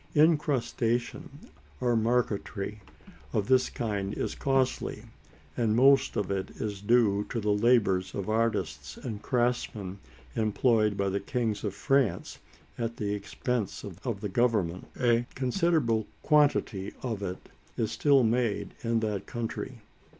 Incrustation, or marquetry, of this kind is costly, and most of it is due to the labours of artists and craftsmen employed by the kings of France at the expense of the Government. A considerable quantity of it is still made in that country.